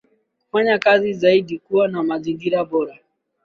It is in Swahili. kufanya kazi zaidi kuwa na mazingira bora